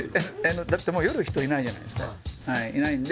だって夜人いないじゃないですかはいいないんで